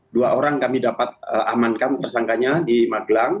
dua orang kami dapat amankan tersangkanya di magelang